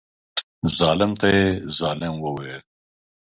ظالم ته یې ظالم وویل.